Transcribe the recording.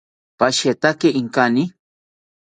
Pashetaki inkani